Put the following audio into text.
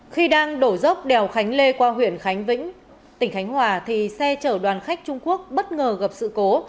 khi đang đổ dốc đèo khánh lê qua huyện khánh vĩnh tỉnh khánh hòa thì xe chở đoàn khách trung quốc bất ngờ gặp sự cố